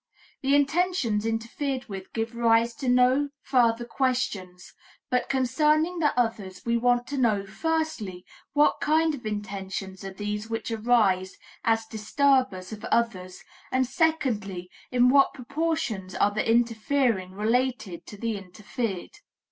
The intentions interfered with give rise to no further questions, but concerning the others we want to know, firstly, what kind of intentions are these which arise as disturbers of others, and secondly, in what proportions are the interfering related to the interfered?